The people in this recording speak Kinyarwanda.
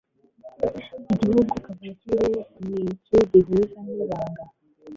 igihugu kavukire, niki gihuza n' ibanga